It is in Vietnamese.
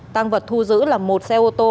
tang vật thu giữ là một xe ô tô